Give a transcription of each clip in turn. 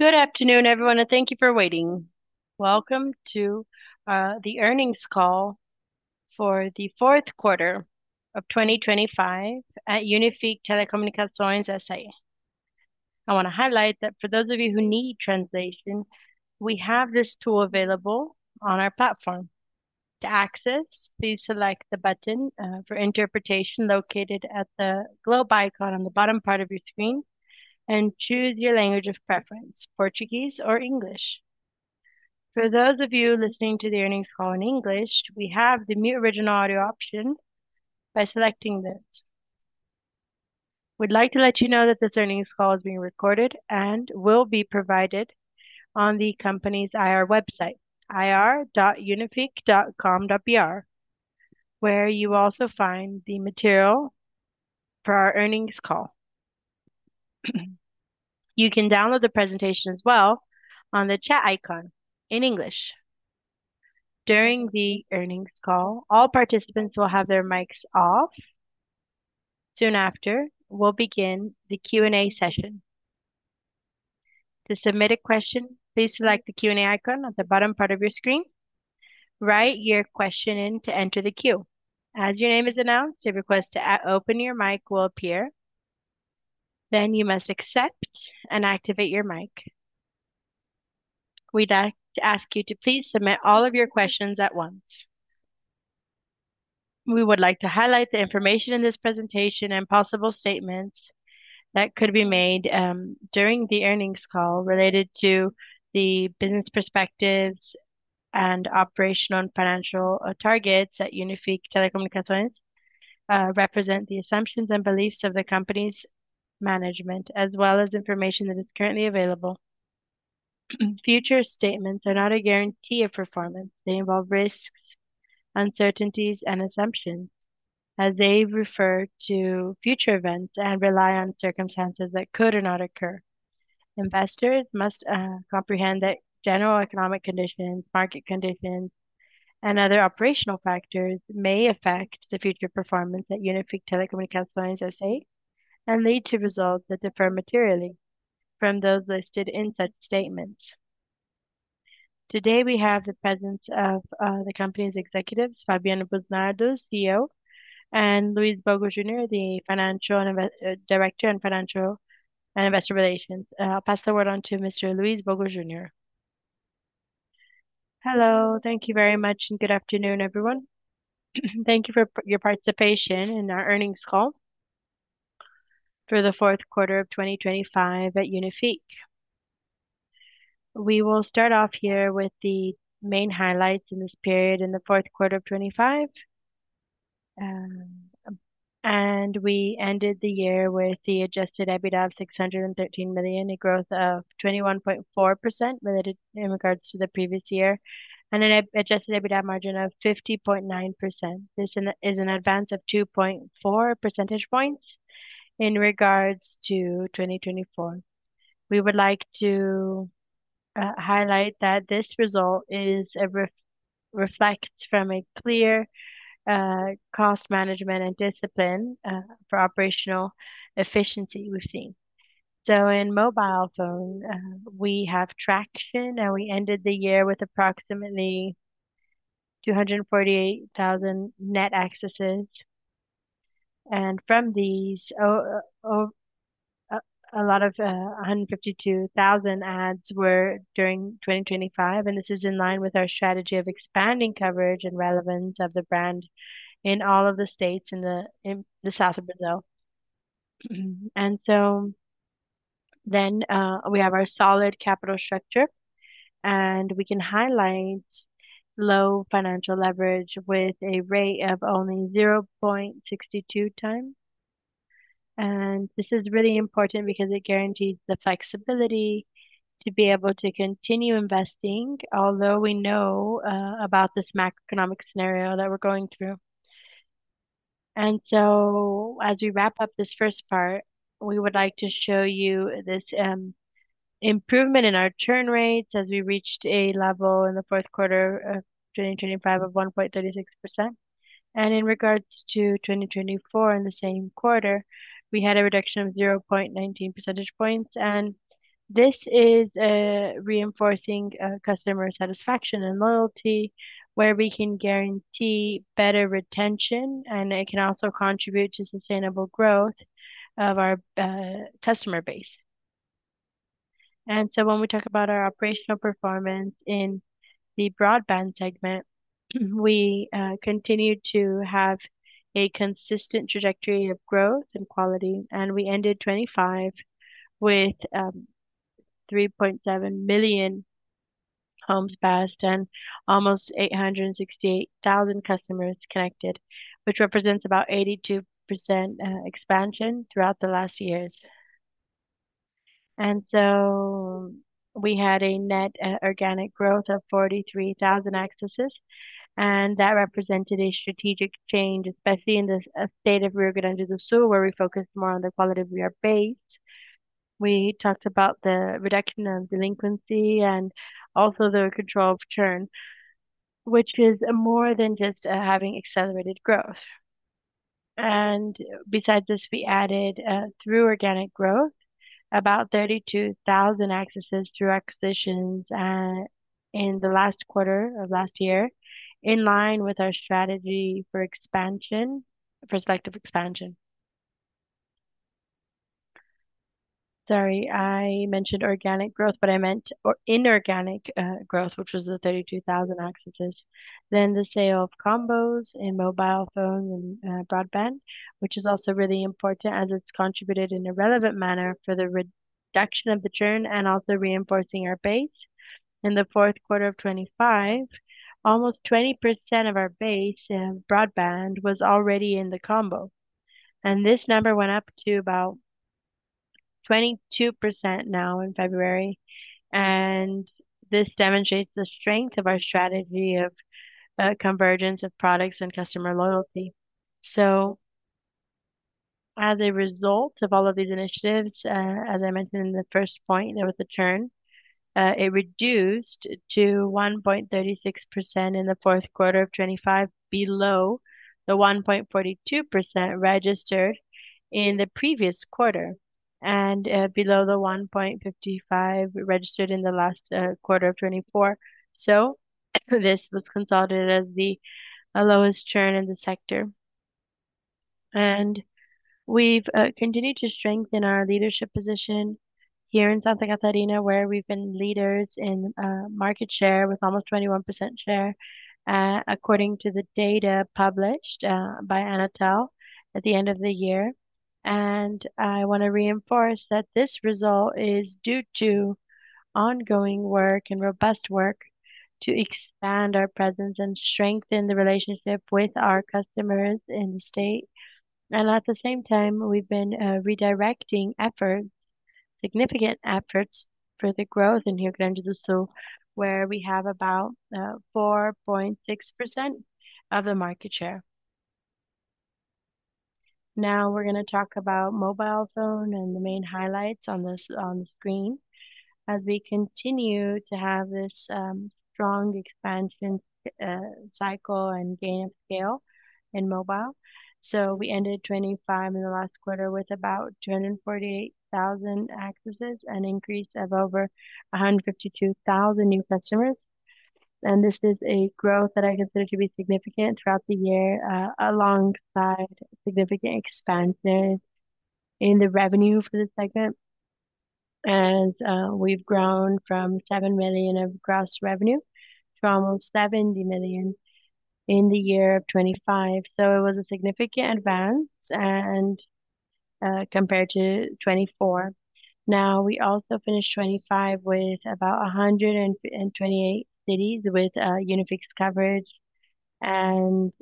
Good afternoon, everyone, and thank you for waiting. Welcome to the earnings call for the fourth quarter of 2025 at Unifique Telecomunicações S.A. I wanna highlight that for those of you who need translation, we have this tool available on our platform. To access, please select the button for interpretation located at the globe icon on the bottom part of your screen and choose your language of preference, Portuguese or English. For those of you listening to the earnings call in English, we have the mute original audio option by selecting this. We'd like to let you know that this earnings call is being recorded and will be provided on the company's IR website, ir.unifique.com.br, where you'll also find the material for our earnings call. You can download the presentation as well on the chat icon in English. During the earnings call, all participants will have their mics off. Soon after, we'll begin the Q&A session. To submit a question, please select the Q&A icon at the bottom part of your screen. Write your question in to enter the queue. As your name is announced, a request to open your mic will appear. Then you must accept and activate your mic. We'd like to ask you to please submit all of your questions at once. We would like to highlight the information in this presentation and possible statements that could be made during the earnings call related to the business perspectives and operational and financial targets at Unifique Telecomunicações represent the assumptions and beliefs of the company's management as well as information that is currently available. Future statements are not a guarantee of performance. They involve risks, uncertainties and assumptions, as they refer to future events and rely on circumstances that could or not occur. Investors must comprehend that general economic conditions, market conditions, and other operational factors may affect the future performance at Unifique Telecomunicações S.A. and lead to results that differ materially from those listed in such statements. Today, we have the presence of the company's executives, Fabiano Busnardo, CEO, and Luiz Bogo Junior, the financial and investor relations director. I'll pass the word on to Mr. Luiz Bogo Junior. Hello. Thank you very much, and good afternoon, everyone. Thank you for your participation in our earnings call for the fourth quarter of 2025 at Unifique. We will start off here with the main highlights in this period in the fourth quarter of 2025. We ended the year with the adjusted EBITDA of 613 million, a growth of 21.4% related in regards to the previous year, and an adjusted EBITDA margin of 50.9%. This is an advance of 2.4 percentage points in regards to 2024. We would like to highlight that this result is a reflection of a clear cost management and discipline for operational efficiency we've seen. In Mobile Phones, we have traction, and we ended the year with approximately 248,000 net accesses. From these, a lot of 152,000 adds were during 2025, and this is in line with our strategy of expanding coverage and relevance of the brand in all of the states in the south of Brazil. We have our solid capital structure, and we can highlight low financial leverage with a rate of only 0.62x. This is really important because it guarantees the flexibility to be able to continue investing, although we know about this macroeconomic scenario that we're going through. As we wrap up this first part, we would like to show you this improvement in our churn rates as we reached a level in the fourth quarter of 2025 of 1.36%. In regards to 2024 in the same quarter, we had a reduction of 0.19 percentage points, and this is reinforcing customer satisfaction and loyalty, where we can guarantee better retention, and it can also contribute to sustainable growth of our customer base. When we talk about our operational performance in the Broadband segment, we continued to have a consistent trajectory of growth and quality, and we ended 2025 with 3.7 million homes passed and almost 868,000 customers connected, which represents about 82% expansion throughout the last years. We had a net organic growth of 43,000 accesses, and that represented a strategic change, especially in the state of Rio Grande do Sul, where we focused more on the quality of our base. We talked about the reduction of delinquency and also the control of churn, which is more than just having accelerated growth. Besides this, we added through organic growth, about 32,000 accesses through acquisitions in the last quarter of last year, in line with our strategy for selective expansion. Sorry, I mentioned organic growth, but I meant inorganic growth, which was the 32,000 accesses. The sale of combos and mobile phone and broadband, which is also really important as it's contributed in a relevant manner for the reduction of the churn and also reinforcing our base. In the fourth quarter of 2025, almost 20% of our base in broadband was already in the combo. This number went up to about 22% now in February, and this demonstrates the strength of our strategy of convergence of products and customer loyalty. As a result of all of these initiatives, as I mentioned in the first point, there was a churn. It reduced to 1.36% in the fourth quarter of 2025, below the 1.42% registered in the previous quarter, and below the 1.55% registered in the last quarter of 2024. This was considered as the lowest churn in the sector. We've continued to strengthen our leadership position here in Santa Catarina, where we've been leaders in market share with almost 21% share, according to the data published by Anatel at the end of the year. I wanna reinforce that this result is due to ongoing work and robust work to expand our presence and strengthen the relationship with our customers in the state. At the same time, we've been redirecting efforts, significant efforts for the growth in Rio Grande do Sul, where we have about 4.6% of the market share. Now we're gonna talk about mobile phone and the main highlights on the screen. As we continue to have this strong expansion cycle and gain scale in mobile. We ended 2025 in the last quarter with about 248,000 accesses, an increase of over 152,000 new customers. This is a growth that I consider to be significant throughout the year, alongside significant expansions in the revenue for the segment. We've grown from 7 million of gross revenue to almost 70 million in the year of 2025. It was a significant advance compared to 2024. Now, we also finished 2025 with about 128 cities with Unifique coverage, and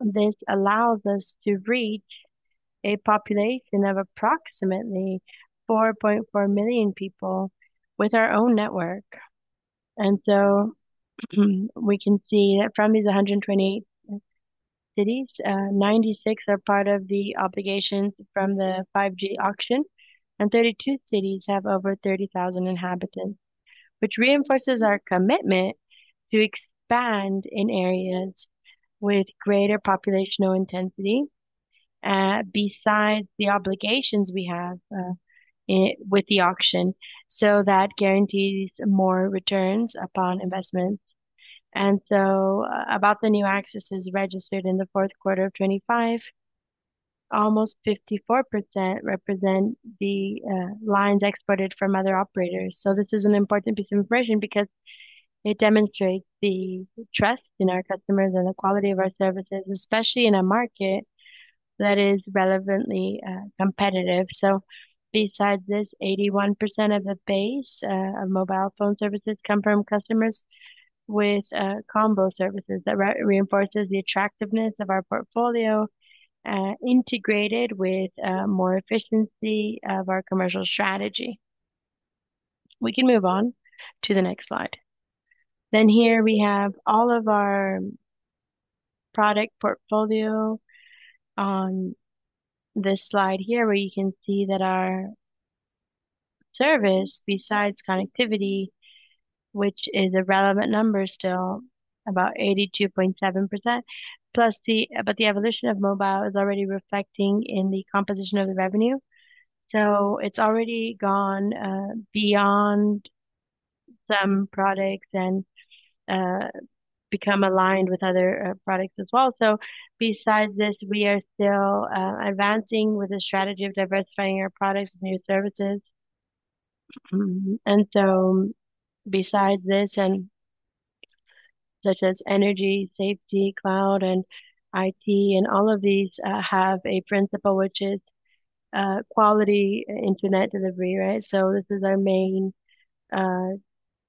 this allows us to reach a population of approximately 4.4 million people with our own network. We can see that from these 128 cities, 96 are part of the obligations from the 5G Auction, and 32 cities have over 30,000 inhabitants, which reinforces our commitment to expand in areas with greater population density, besides the obligations we have with the auction, so that guarantees more returns upon investments. About the new accesses registered in the fourth quarter of 2025, almost 54% represent the lines exported from other operators. This is an important piece of information because it demonstrates the trust in our customers and the quality of our services, especially in a market that is relevantly competitive. Besides this, 81% of the base of mobile phone services come from customers with combo services. That reinforces the attractiveness of our portfolio, integrated with more efficiency of our commercial strategy. We can move on to the next slide. Here we have all of our product portfolio on this slide here, where you can see that our service besides connectivity, which is a relevant number still, about 82.7%, but the evolution of mobile is already reflecting in the composition of the revenue. It's already gone beyond some products and become aligned with other products as well. Besides this, we are still advancing with the strategy of diversifying our products with new services. Besides this and such as energy, safety, cloud, and IT, and all of these have a principle which is quality internet delivery, right? This is our main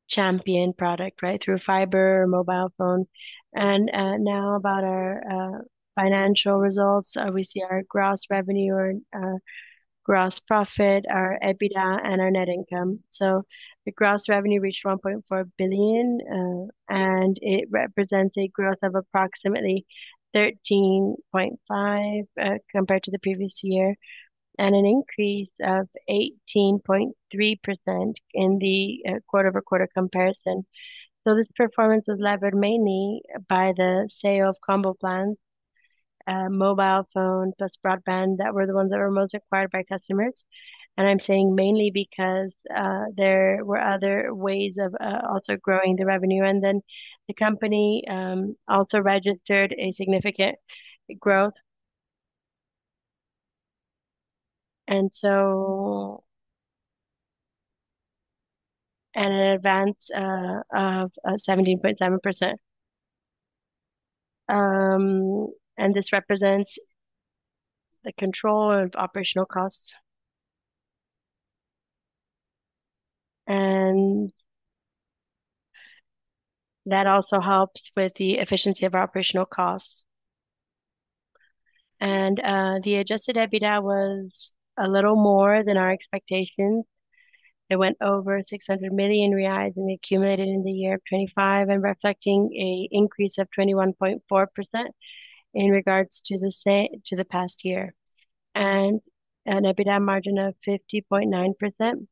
champion product, right, through fiber or mobile phone. Now about our financial results. We see our gross revenue or gross profit, our EBITDA and our net income. The gross revenue reached 1.4 billion and it represents a growth of approximately 13.5% compared to the previous year, and an increase of 18.3% in the quarter-over-quarter comparison. This performance was leveraged mainly by the sale of combo plans, mobile phone plus broadband that were the ones that were most acquired by customers. I'm saying mainly because there were other ways of also growing the revenue. The company also registered a significant growth and an advance of 17.7%. This represents the control of operational costs. That also helps with the efficiency of our operational costs. The adjusted EBITDA was a little more than our expectations. It went over 600 million reais and accumulated in the year of 25%, reflecting an increase of 21.4% in regards to the past year. An EBITDA margin of 50.9%,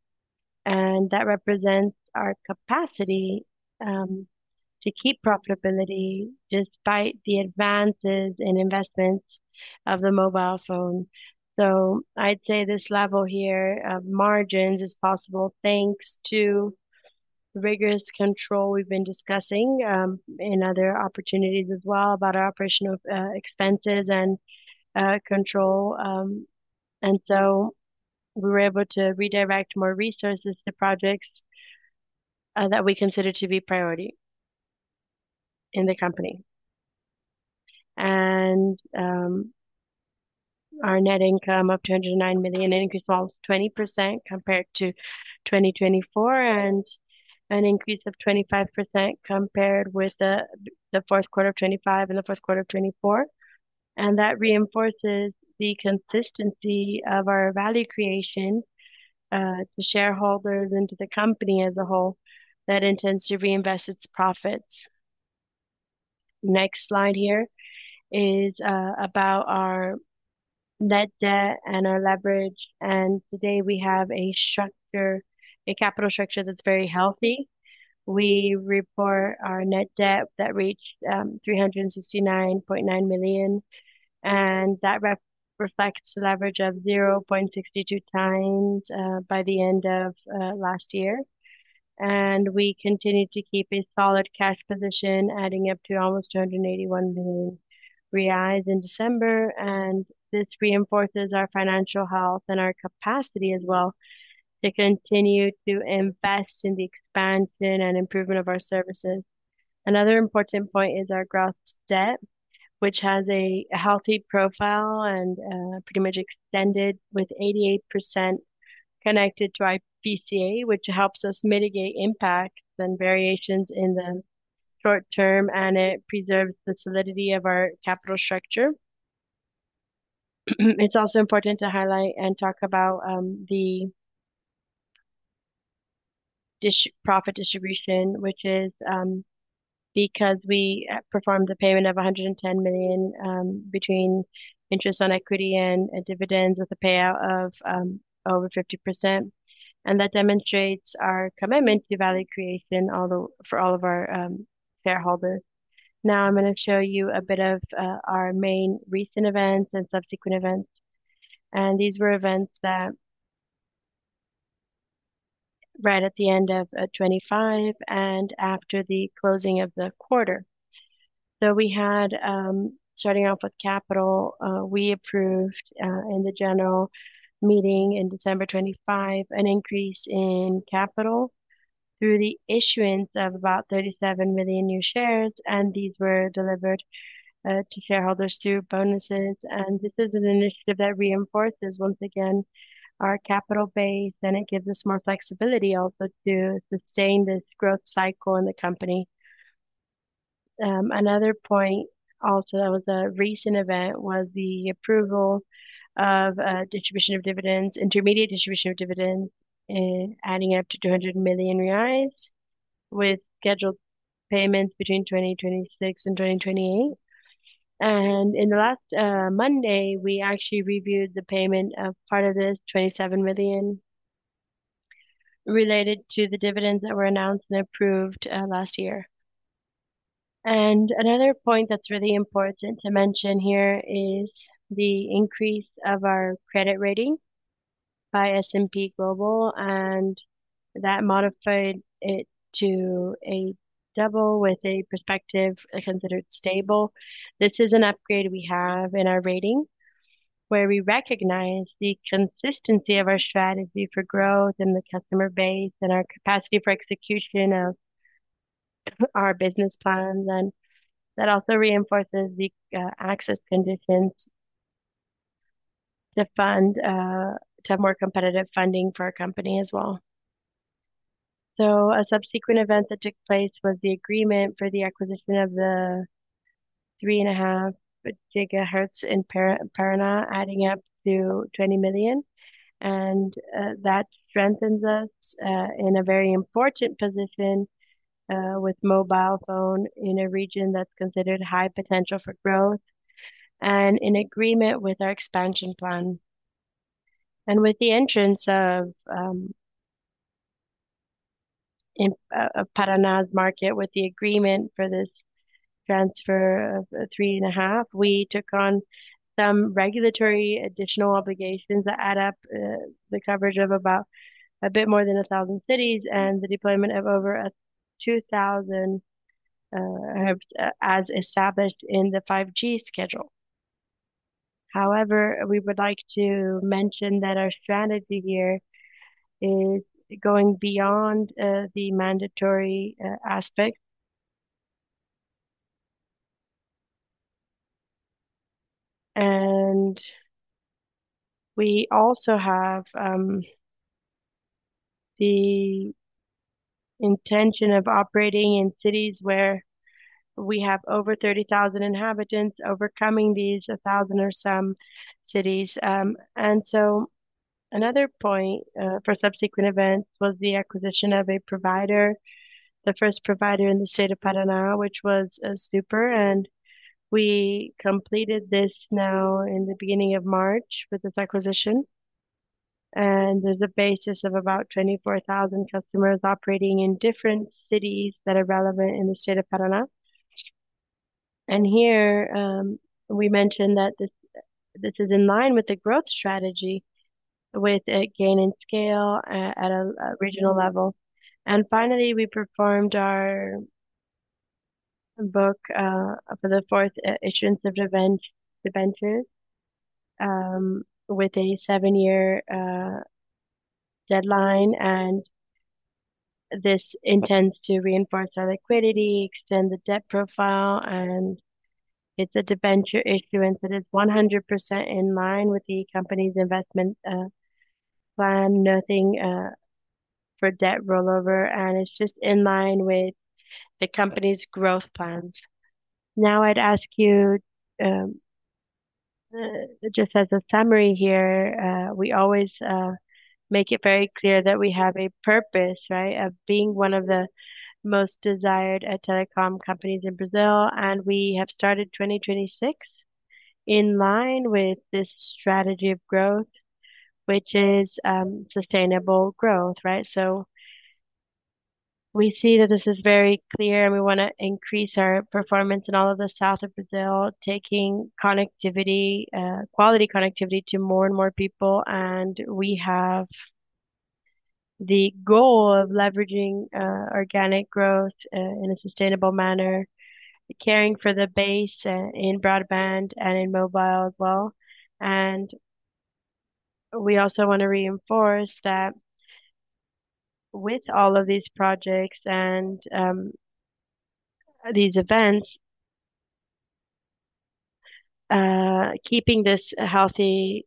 and that represents our capacity to keep profitability despite the advances in investments of the mobile phone. I'd say this level here of margins is possible thanks to the rigorous control we've been discussing in other opportunities as well about our operational expenses and control. We were able to redirect more resources to projects that we consider to be priority in the company. Our net income of 209 million, an increase of 20% compared to 2024, and an increase of 25% compared with the fourth quarter of 2025 and the first quarter of 2024. That reinforces the consistency of our value creation to shareholders and to the company as a whole that intends to reinvest its profits. Next slide here is about our net debt and our leverage. Today we have a structure, a capital structure that's very healthy. We report our net debt that reached 369.9 million, and that reflects a leverage of 0.62x by the end of last year. We continue to keep a solid cash position, adding up to almost 281 million reais in December. This reinforces our financial health and our capacity as well to continue to invest in the expansion and improvement of our services. Another important point is our gross debt, which has a healthy profile and pretty much extended with 88% connected to IPCA, which helps us mitigate impacts and variations in the short term, and it preserves the solidity of our capital structure. It's also important to highlight and talk about the profit distribution, which is because we performed a payment of 110 million between interest on equity and dividends with a payout of over 50%. That demonstrates our commitment to value creation for all of our shareholders. Now I'm gonna show you a bit of our main recent events and subsequent events. These were events that right at the end of 2025 and after the closing of the quarter. We had starting off with capital we approved in the General Meeting in December 2025 an increase in capital through the issuance of about 37 million new shares, and these were delivered to shareholders through bonuses. This is an initiative that reinforces, once again, our capital base, and it gives us more flexibility also to sustain this growth cycle in the company. Another point also that was a recent event was the approval of distribution of dividends, intermediate distribution of dividends, adding up to 200 million reais with scheduled payments between 2026 and 2028. In the last Monday, we actually reviewed the payment of part of this 27 million related to the dividends that were announced and approved last year. Another point that's really important to mention here is the increase of our credit rating by S&P Global, and that modified it to brAA with a stable outlook. This is an upgrade we have in our rating, where we recognize the consistency of our strategy for growth and the customer base and our capacity for execution of our business plans. That also reinforces the access to funding to have more competitive funding for our company as well. A subsequent event that took place was the agreement for the acquisition of the 3.5 GHz in Paraná, adding up to 20 million. That strengthens us in a very important position with mobile phone in a region that's considered high potential for growth and in agreement with our expansion plan. With the entrance of Paraná's market with the agreement for this transfer of 3.5 GHz, we took on some regulatory additional obligations that add up the coverage of a bit more than 1,000 cities and the deployment of over 2,000 as established in the 5G schedule. However, we would like to mention that our strategy here is going beyond the mandatory aspect. We also have the intention of operating in cities where we have over 30,000 inhabitants overcoming these 1,000 or so cities. Another point for subsequent events was the acquisition of a provider, the first provider in the state of Paraná, which was iSUPER, and we completed this now in the beginning of March with this acquisition. There's a basis of about 24,000 customers operating in different cities that are relevant in the state of Paraná. Here, we mentioned that this is in line with the growth strategy with a gain in scale at a regional level. Finally, we performed our book-build for the fourth issuance of debentures with a seven-year deadline, and this intends to reinforce our liquidity, extend the debt profile, and it's a debenture issuance that is 100% in line with the company's investment plan. Nothing for debt rollover, and it's just in line with the company's growth plans. Now I'd ask you, just as a summary here, we always make it very clear that we have a purpose, right, of being one of the most desired telecom companies in Brazil. We have started 2026 in line with this strategy of growth, which is sustainable growth, right? We see that this is very clear, and we wanna increase our performance in all of the south of Brazil, taking connectivity, quality connectivity to more and more people. We have the goal of leveraging organic growth in a sustainable manner, caring for the base in broadband and in mobile as well. We also want to reinforce that with all of these projects and these events, keeping this healthy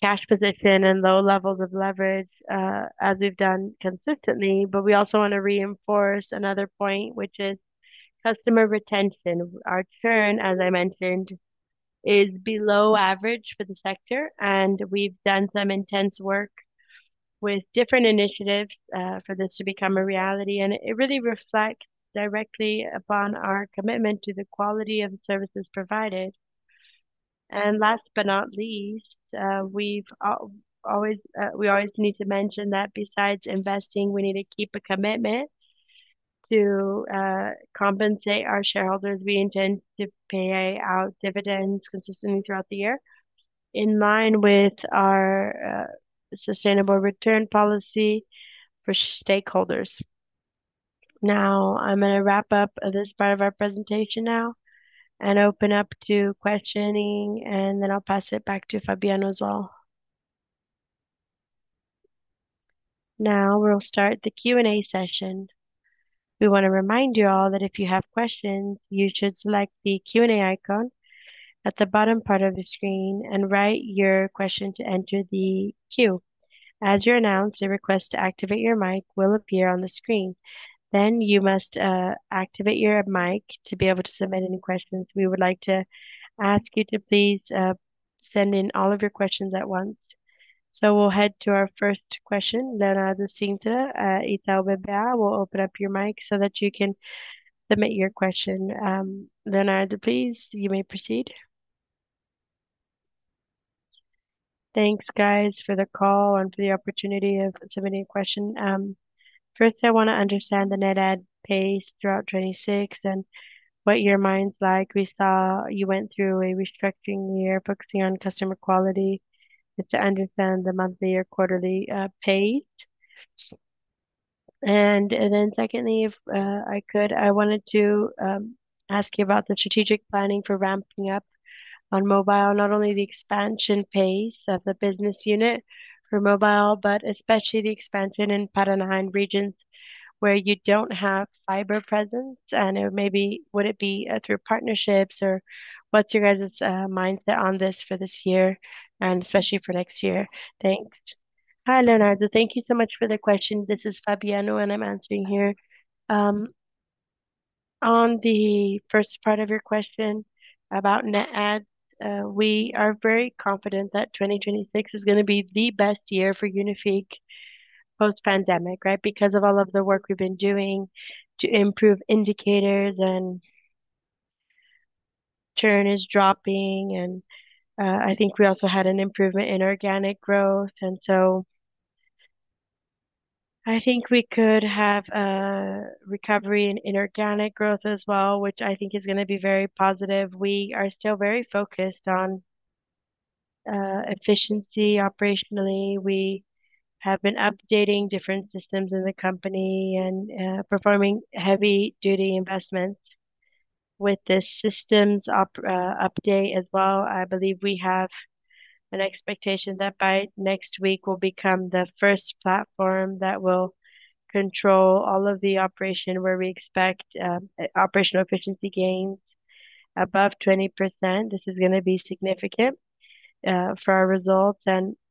cash position and low levels of leverage as we've done consistently. We also want to reinforce another point, which is customer retention. Our churn, as I mentioned, is below average for the sector, and we've done some intense work with different initiatives for this to become a reality, and it really reflects directly upon our commitment to the quality of services provided. Last but not least, we always need to mention that besides investing, we need to keep a commitment to compensate our shareholders. We intend to pay out dividends consistently throughout the year in line with our sustainable return policy for stakeholders. Now, I'm gonna wrap up this part of our presentation now and open up to questioning, and then I'll pass it back to Fabiano as well. Now we'll start the Q&A session. We want to remind you all that if you have questions, you should select the Q&A icon at the bottom part of the screen and write your question to enter the queue. As you're announced, a request to activate your mic will appear on the screen. Then you must activate your mic to be able to submit any questions. We would like to ask you to please send in all of your questions at once. We'll head to our first question. Leonardo Cintra at Itaú BBA, we'll open up your mic so that you can submit your question. Leonardo, please, you may proceed. Thanks, guys, for the call and for the opportunity of submitting a question. First, I want to understand the net add pace throughout 2026 and what your mind's like. We saw you went through a restructuring year focusing on customer quality to understand the monthly or quarterly pace. Then secondly, if I could, I wanted to ask you about the strategic planning for ramping up on mobile, not only the expansion pace of the business unit for mobile, but especially the expansion in Paraná and regions where you don't have fiber presence. Would it be through partnerships or what's your guys' mindset on this for this year, and especially for next year? Thanks. Hi, Leonardo. Thank you so much for the question. This is Fabiano, and I'm answering here. On the first part of your question about net adds, we are very confident that 2026 is gonna be the best year for Unifique post-pandemic, right? Because of all of the work we've been doing to improve indicators and churn is dropping, and I think we also had an improvement in organic growth. I think we could have a recovery in inorganic growth as well, which I think is gonna be very positive. We are still very focused on efficiency operationally. We have been updating different systems in the company and performing heavy-duty investments with the systems update as well. I believe we have an expectation that by next week we'll become the first platform that will control all of the operation where we expect operational efficiency gains above 20%. This is gonna be significant for our results.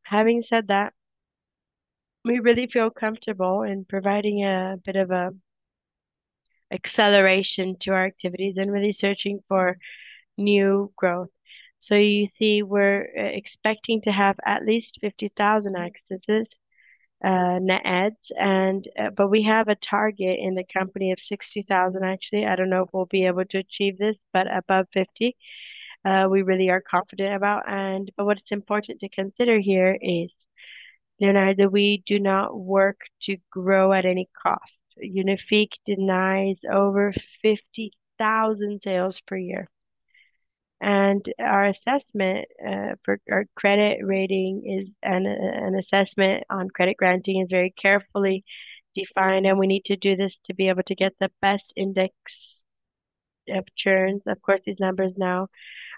Having said that, we really feel comfortable in providing a bit of an acceleration to our activities and really searching for new growth. You see, we're expecting to have at least 50,000 accesses, net adds, but we have a target in the company of 60,000 actually. I don't know if we'll be able to achieve this, but above 50, we really are confident about. What is important to consider here is we do not work to grow at any cost. Unifique delivers over 50,000 sales per year. Our assessment for our credit rating is an assessment on credit granting is very carefully defined, and we need to do this to be able to get the best index of churn. Of course, these numbers now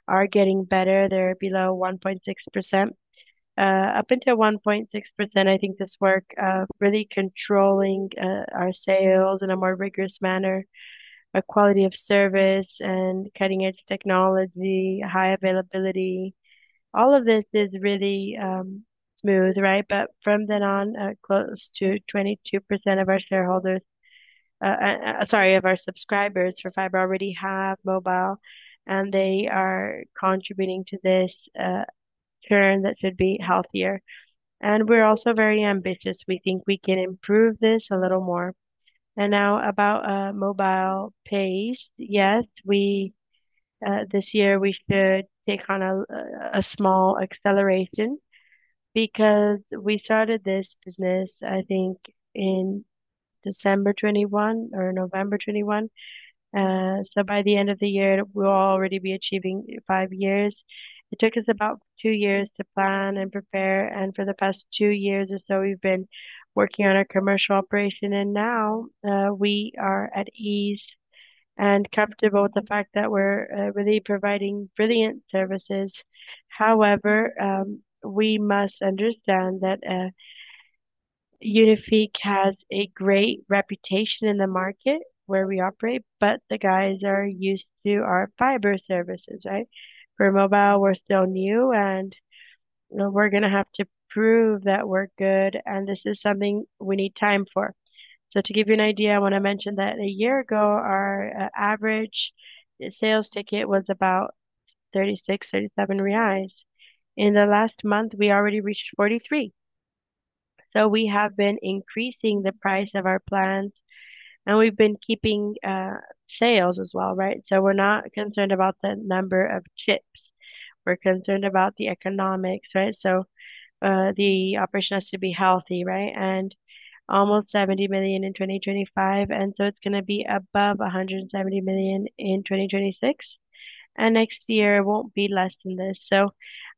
are getting better. They're below 1.6%. Up until 1.6%, I think this work of really controlling our sales in a more rigorous manner, a quality of service and cutting-edge technology, high availability, all of this is really smooth, right? From then on, close to 22% of our subscribers for fiber already have mobile, and they are contributing to this churn that should be healthier. We're also very ambitious. We think we can improve this a little more. Now about mobile pace. Yes, this year we should take on a small acceleration because we started this business, I think in December 2021 or November 2021. By the end of the year, we'll already be achieving five years. It took us about two years to plan and prepare. For the past two years or so, we've been working on our commercial operation, and now, we are at ease and comfortable with the fact that we're really providing brilliant services. However, we must understand that Unifique has a great reputation in the market where we operate, but the guys are used to our fiber services, right? For mobile, we're still new, and we're gonna have to prove that we're good, and this is something we need time for. To give you an idea, I wanna mention that a year ago, our average sales ticket was about 36- 37 reais. In the last month, we already reached 43. We have been increasing the price of our plans, and we've been keeping sales as well, right? We're not concerned about the number of chips. We're concerned about the economics, right? The operation has to be healthy, right? Almost 70 million in 2025, it's gonna be above 170 million in 2026. Next year it won't be less than this.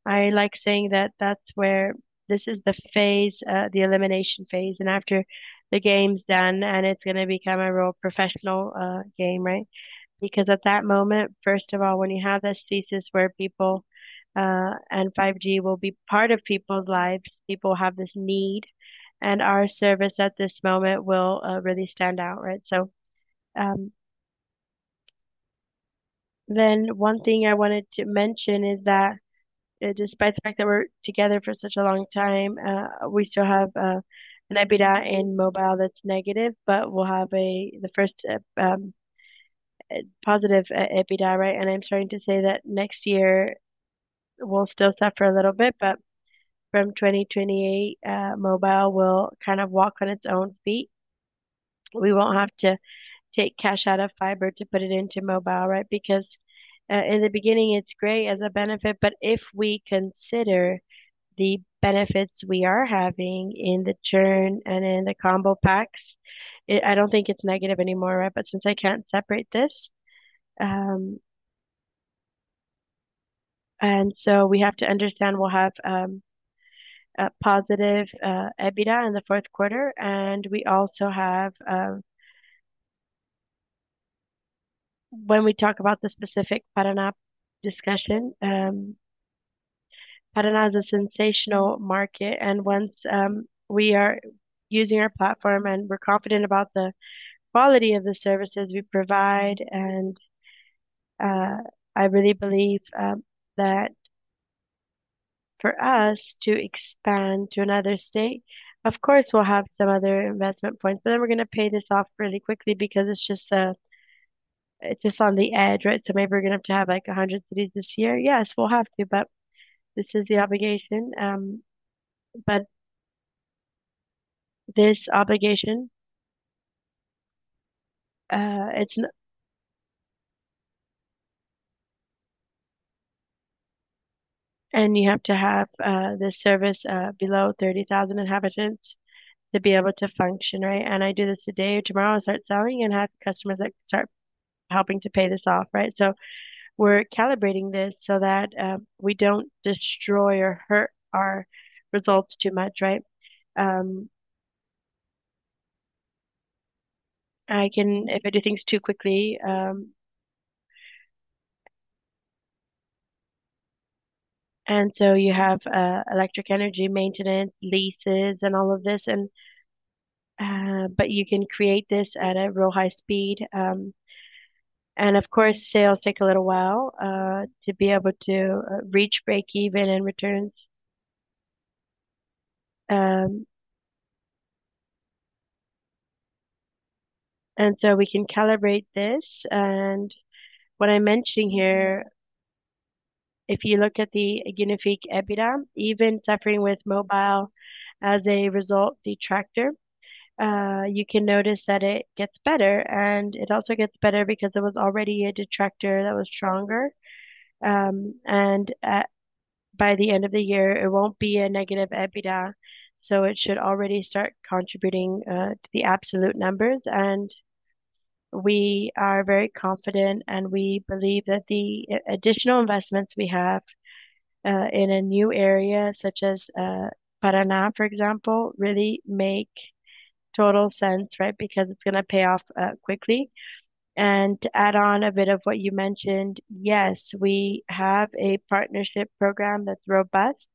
I like saying that that's where this is the phase, the elimination phase, after the game's done, it's gonna become a real professional game, right? Because at that moment, first of all, when you have this thesis where people and 5G will be part of people's lives, people have this need, our service at this moment will really stand out, right? One thing I wanted to mention is that, despite the fact that we're together for such a long time, we still have an EBITDA in mobile that's negative, but we'll have the first positive EBITDA, right? I'm starting to say that next year we'll still suffer a little bit, but from 2028, mobile will kind of walk on its own feet. We won't have to take cash out of fiber to put it into mobile, right? Because in the beginning, it's great as a benefit, but if we consider the benefits we are having in the churn and in the combo packs, I don't think it's negative anymore, right? Since I can't separate this. We have to understand we'll have a positive EBITDA in the fourth quarter, and we also have. When we talk about the specific Paraná discussion, Paraná is a sensational market, and once we are using our platform and we're confident about the quality of the services we provide, and I really believe that for us to expand to another state, of course, we'll have some other investment points, but then we're gonna pay this off really quickly because it's just on the edge, right? So maybe we're gonna have to have like 100 cities this year. Yes, we'll have to, but this is the obligation. This obligation, you have to have the service below 30,000 inhabitants to be able to function, right? I do this today or tomorrow, I start selling and have customers that start helping to pay this off, right? We're calibrating this so that we don't destroy or hurt our results too much, right? If I do things too quickly. You have electric energy maintenance, leases, and all of this, but you can create this at a real high speed. Of course, sales take a little while to be able to reach breakeven in returns. We can calibrate this, and what I'm mentioning here, if you look at the Unifique EBITDA, even suffering with mobile as a result detractor, you can notice that it gets better, and it also gets better because it was already a detractor that was stronger. By the end of the year, it won't be a negative EBITDA, so it should already start contributing to the absolute numbers. We are very confident, and we believe that the additional investments we have in a new area such as Paraná, for example, really make total sense, right? Because it's gonna pay off quickly. To add on a bit of what you mentioned, yes, we have a partnership program that's robust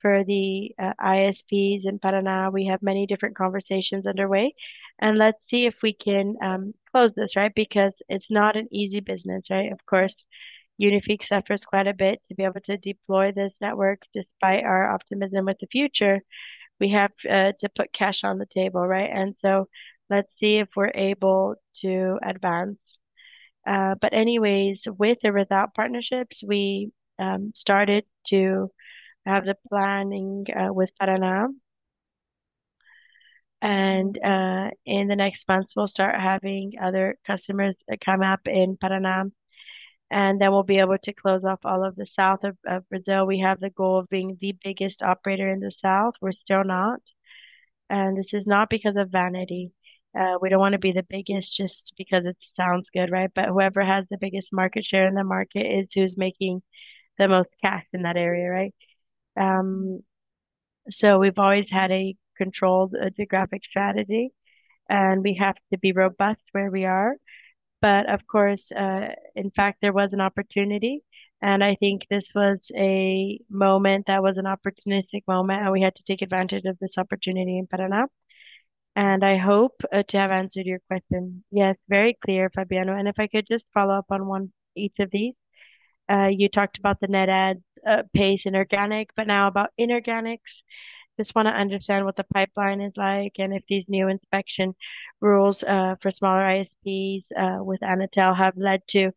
for the ISPs in Paraná. We have many different conversations underway, and let's see if we can close this, right? Because it's not an easy business, right? Of course, Unifique suffers quite a bit to be able to deploy this network. Despite our optimism with the future, we have to put cash on the table, right? Let's see if we're able to advance. Anyways, with or without partnerships, we started to have the planning with Paraná. In the next months, we'll start having other customers come up in Paraná, and then we'll be able to close off all of the south of Brazil. We have the goal of being the biggest operator in the south. We're still not. This is not because of vanity. We don't wanna be the biggest just because it sounds good, right? Whoever has the biggest market share in the market is who's making the most cash in that area, right? We've always had a controlled geographic strategy, and we have to be robust where we are. Of course, in fact, there was an opportunity, and I think this was a moment that was an opportunistic moment, and we had to take advantage of this opportunity in Paraná. I hope to have answered your question. Yes, very clear, Fabiano. If I could just follow up on each of these. You talked about the net adds pace inorganic, but now about inorganics. Just wanna understand what the pipeline is like and if these new inspection rules for smaller ISPs with Anatel have led to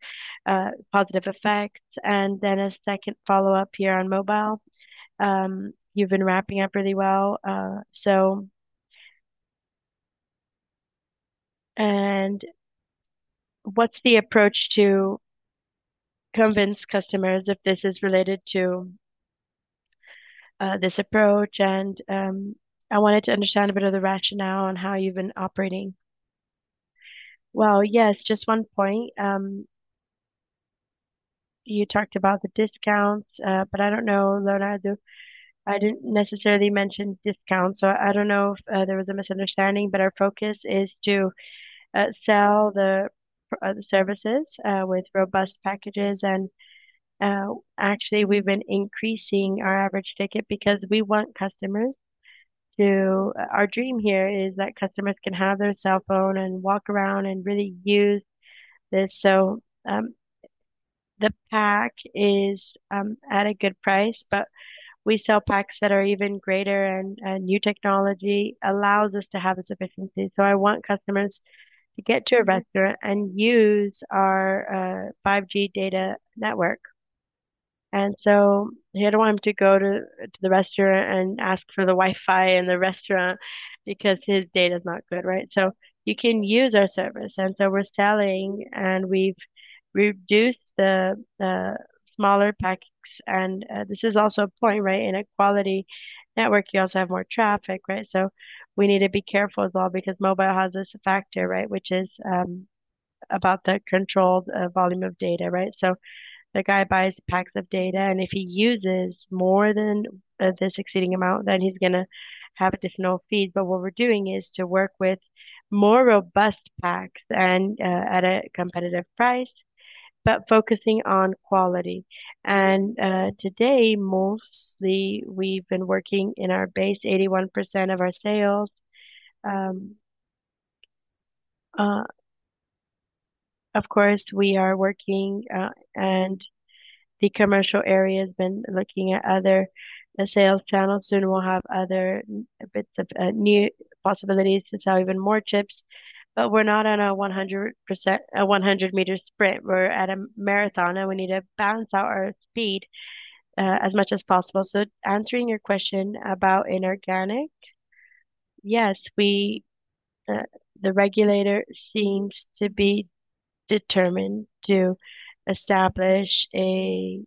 positive effects. Then a second follow-up here on mobile. You've been wrapping up really well, so. What's the approach to convince customers if this is related to this approach? I wanted to understand a bit of the rationale on how you've been operating. Well, yes, just one point. You talked about the discounts, but I don't know, Leonardo, I didn't necessarily mention discounts, so I don't know if there was a misunderstanding. Our focus is to sell the services with robust packages. Actually, we've been increasing our average ticket because we want customers to. Our dream here is that customers can have their cell phone and walk around and really use this. The pack is at a good price, but we sell packs that are even greater, and new technology allows us to have this efficiency. I want customers to get to a restaurant and use our 5G data network. He don't want to go to the restaurant and ask for the Wi-Fi in the restaurant because his data is not good, right? You can use our service. We're selling, and we've reduced the smaller packs. This is also a point, right? In a quality network, you also have more traffic, right? We need to be careful as well because mobile has this factor, right? Which is about the controlled volume of data, right? The guy buys packs of data, and if he uses more than this exceeding amount, then he's gonna have additional fees. What we're doing is to work with more robust packs and at a competitive price, but focusing on quality. Today, mostly we've been working in our base 81% of our sales. Of course, we are working, and the commercial area has been looking at other sales channels. Soon we'll have other bits of new possibilities to sell even more chips. We're not on a 100m sprint. We're at a marathon, and we need to balance out our speed as much as possible. Answering your question about inorganic. Yes, we, the regulator seems to be determined to establish a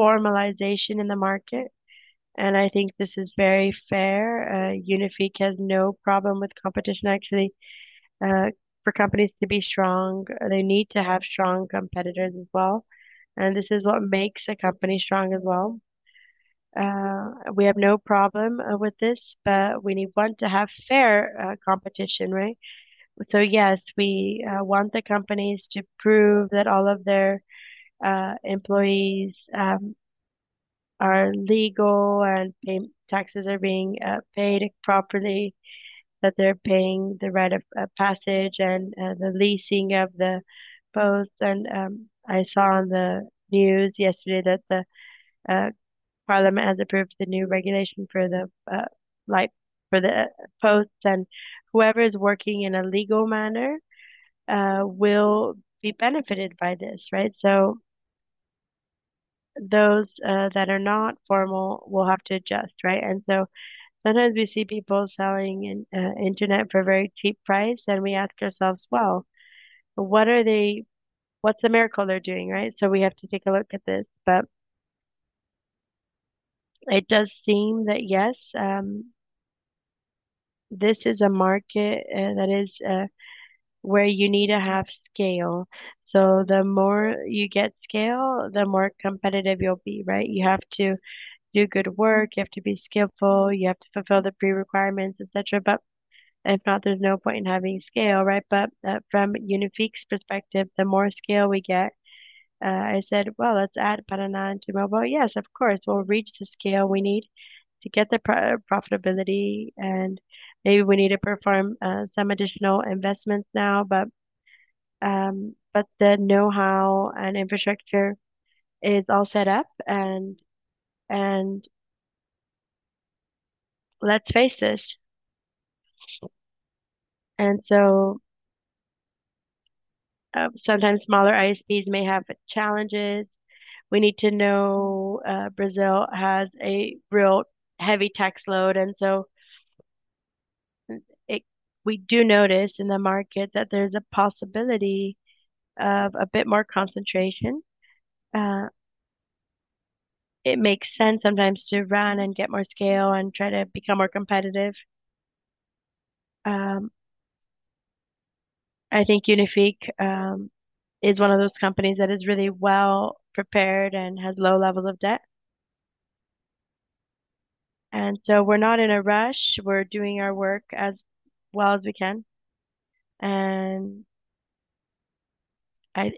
formalization in the market, and I think this is very fair. Unifique has no problem with competition actually. For companies to be strong, they need to have strong competitors as well, and this is what makes a company strong as well. We have no problem with this, but we want to have fair competition, right? Yes, we want the companies to prove that all of their employees are legal and taxes are being paid properly, that they're paying the right-of-way and the leasing of the posts. I saw on the news yesterday that the parliament has approved the new regulation for, like, the posts. Whoever is working in a legal manner will be benefited by this, right? Those that are not formal will have to adjust, right? Sometimes we see people selling internet for a very cheap price, and we ask ourselves, "Well, what's the miracle they're doing?" Right? We have to take a look at this. It does seem that, yes, this is a market that is where you need to have scale. The more you get scale, the more competitive you'll be, right? You have to do good work. You have to be skillful. You have to fulfill the pre-requirements, et cetera. If not, there's no point in having scale, right? From Unifique's perspective, the more scale we get, I said, "Well, let's add Paraná to mobile." Yes, of course, we'll reach the scale we need to get the profitability, and maybe we need to perform some additional investments now. The know-how and infrastructure is all set up, and let's face this. Sometimes smaller ISPs may have challenges. We need to know Brazil has a real heavy tax load, and we do notice in the market that there's a possibility of a bit more concentration. It makes sense sometimes to run and get more scale and try to become more competitive. I think Unifique is one of those companies that is really well prepared and has low level of debt. We're not in a rush. We're doing our work as well as we can.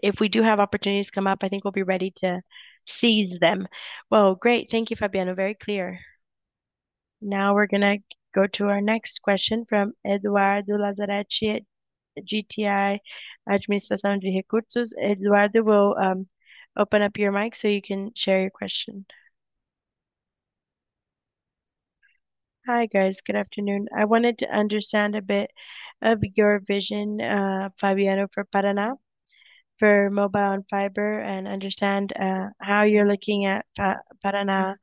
If we do have opportunities come up, I think we'll be ready to seize them. Well, great. Thank you, Fabiano. Very clear. Now we're gonna go to our next question from Eduardo Lazzaretti at GTI Administração de Recursos. Eduardo, we'll open up your mic so you can share your question. Hi, guys. Good afternoon. I wanted to understand a bit of your vision, Fabiano, for Paraná, for Mobile and Fiber, and understand how you're looking at Paraná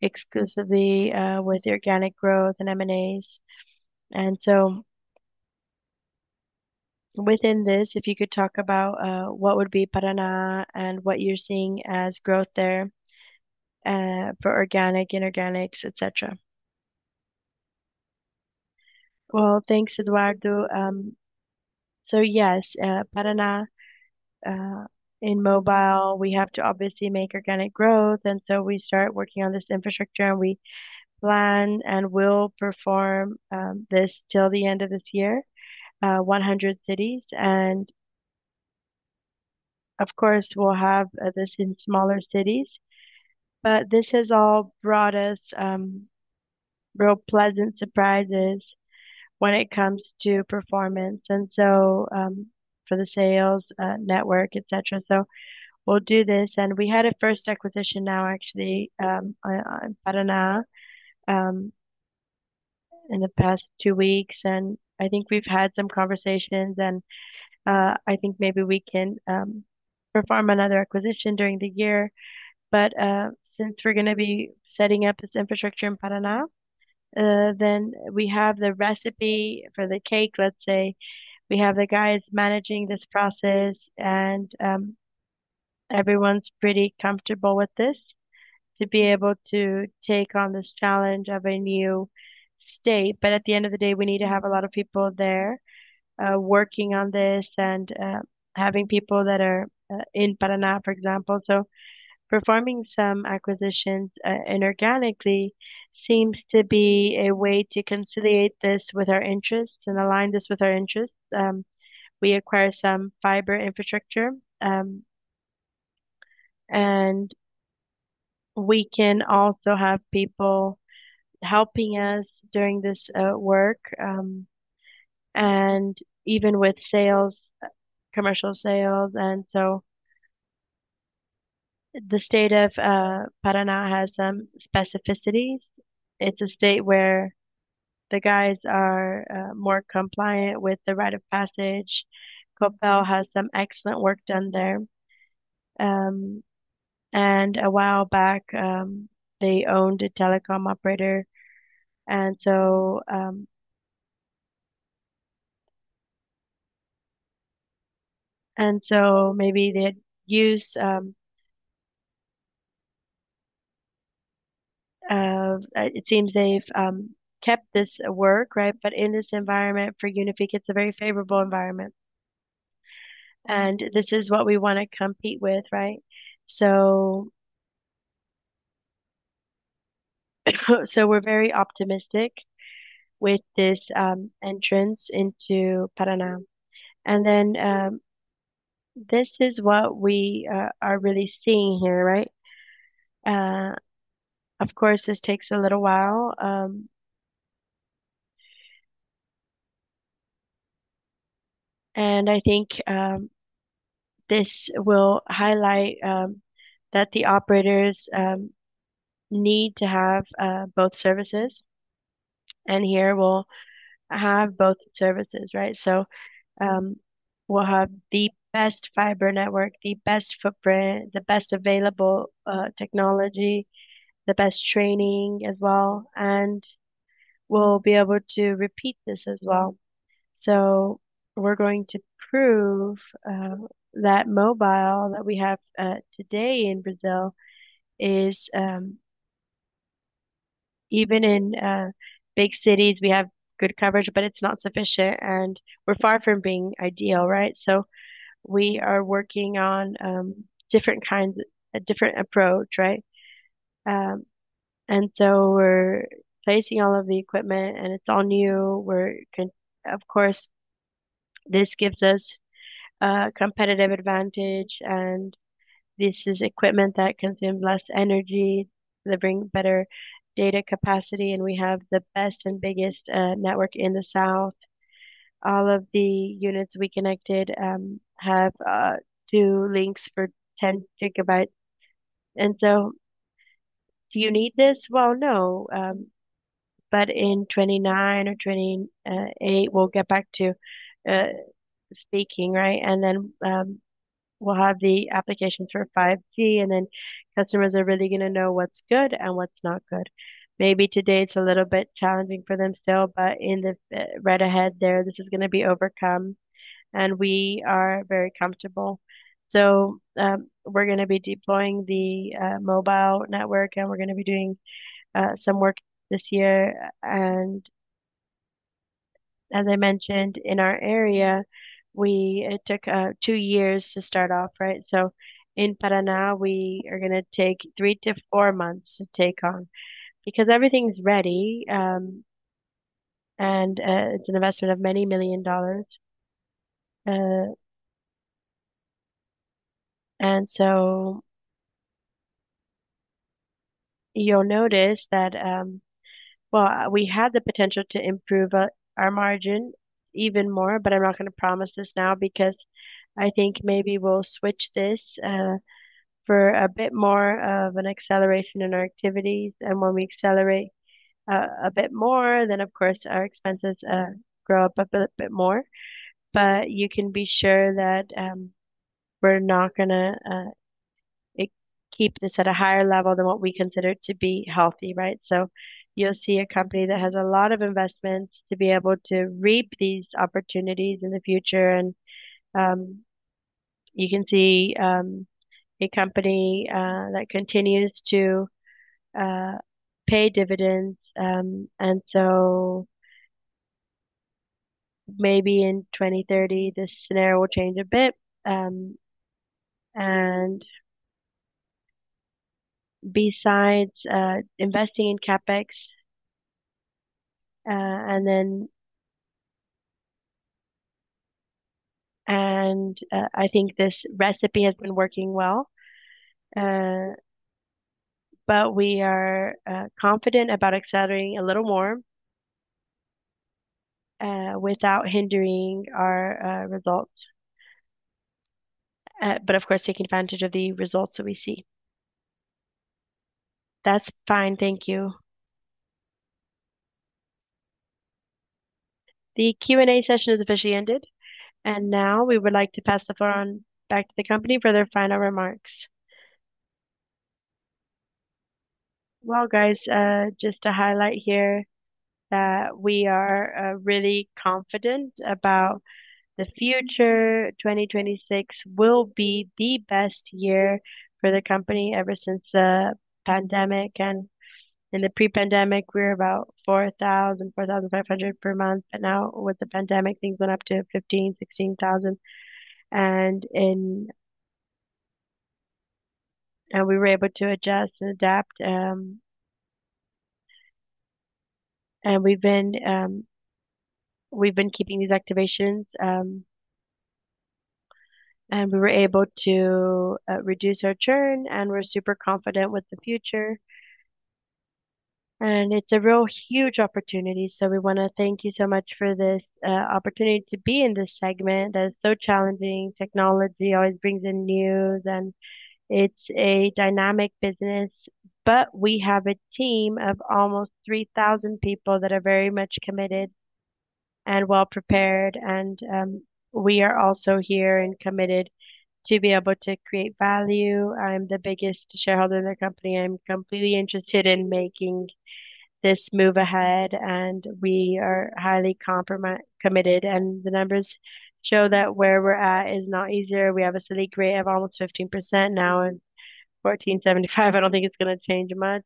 exclusively, with organic growth and M&As. Within this, if you could talk about what would be Paraná and what you're seeing as growth there, for organic, inorganics, et cetera. Well, thanks, Eduardo. Yes, Paraná, in mobile, we have to obviously make organic growth, and we start working on this infrastructure, and we plan and will perform this till the end of this year, 100 cities. Of course, we'll have this in smaller cities. This has all brought us real pleasant surprises when it comes to performance, and so for the sales, network, et cetera. We'll do this. We had a first acquisition now actually in Paraná in the past two weeks, and I think we've had some conversations, and I think maybe we can perform another acquisition during the year. Since we're gonna be setting up this infrastructure in Paraná, then we have the recipe for the cake, let's say. We have the guys managing this process, and everyone's pretty comfortable with this to be able to take on this challenge of a new state. At the end of the day, we need to have a lot of people there working on this and having people that are in Paraná, for example. Performing some acquisitions inorganically seems to be a way to consolidate this with our interests and align this with our interests. We acquire some fiber infrastructure, and we can also have people helping us during this work, and even with sales, commercial sales. The state of Paraná has some specificities. It's a state where the guys are more compliant with the right-of-way. Copel has some excellent work done there. A while back, they owned a telecom operator. Maybe they'd use it. It seems they've kept this work, right? But in this environment for Unifique, it's a very favorable environment. This is what we wanna compete with, right? We're very optimistic with this entrance into Paraná. This is what we are really seeing here, right? Of course, this takes a little while. I think this will highlight that the operators need to have both services. Here we'll have both services, right? We'll have the best fiber network, the best footprint, the best available technology, the best training as well, and we'll be able to repeat this as well. We're going to prove that mobile that we have today in Brazil is even in big cities, we have good coverage, but it's not sufficient, and we're far from being ideal, right? We are working on a different approach, right? We're placing all of the equipment, and it's all new. Of course, this gives us competitive advantage, and this is equipment that consumes less energy, delivering better data capacity, and we have the best and biggest network in the south. All of the units we connected have two links for 10 Gb. Do you need this? Well, no. In 2029 or 2028, we'll get back to speaking, right? We'll have the applications for 5G, and then customers are really gonna know what's good and what's not good. Maybe today it's a little bit challenging for them still, but right ahead there, this is gonna be overcome. We are very comfortable. We're gonna be deploying the mobile network, and we're gonna be doing some work this year. As I mentioned, in our area, it took two years to start off, right? In Paraná, we are gonna take three-four months to take on because everything's ready, and it's an investment of many million dollars. You'll notice that, well, we had the potential to improve our margin even more, but I'm not gonna promise this now because I think maybe we'll switch this for a bit more of an acceleration in our activities. When we accelerate a bit more, then of course our expenses go up a bit more. You can be sure that we're not gonna keep this at a higher level than what we consider to be healthy, right? You'll see a company that has a lot of investments to be able to reap these opportunities in the future. You can see a company that continues to pay dividends. Maybe in 2030, this scenario will change a bit. Besides investing in CapEx, I think this recipe has been working well. We are confident about accelerating a little more without hindering our results, but of course, taking advantage of the results that we see. That's fine. Thank you. The Q&A session has officially ended. Now we would like to pass the floor on back to the company for their final remarks. Well, guys, just to highlight here that we are really confident about the future. 2026 will be the best year for the company ever since the pandemic. In the pre-pandemic, we were about 4,000, 4,500 per month. Now with the pandemic, things went up to 15,000-16,000. We were able to adjust and adapt. We've been keeping these activations, and we were able to reduce our churn, and we're super confident with the future. It's a real huge opportunity, so we wanna thank you so much for this opportunity to be in this segment that is so challenging. Technology always brings in news, and it's a dynamic business. We have a team of almost 3,000 people that are very much committed and well prepared. We are also here and committed to be able to create value. I'm the biggest shareholder in the company. I'm completely interested in making this move ahead, and we are highly committed. The numbers show that where we're at is not easier. We have a Selic rate of almost 15% now and 14.75%. I don't think it's gonna change much.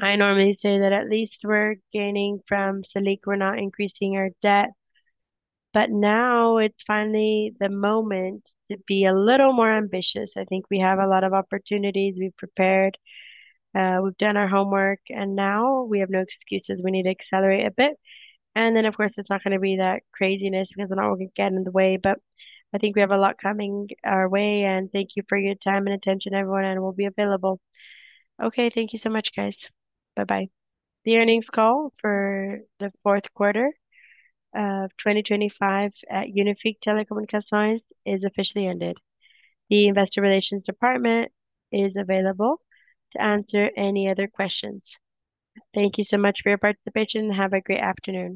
I normally say that at least we're gaining from Selic. We're not increasing our debt. Now it's finally the moment to be a little more ambitious. I think we have a lot of opportunities. We've prepared, we've done our homework, and now we have no excuses. We need to accelerate a bit. Then, of course, it's not gonna be that craziness because it all will get in the way. I think we have a lot coming our way, and thank you for your time and attention, everyone, and we'll be available. Okay. Thank you so much, guys. Bye-bye. The earnings call for the fourth quarter of 2025 at Unifique Telecomunicações is officially ended. The Investor Relations Department is available to answer any other questions. Thank you so much for your participation. Have a great afternoon.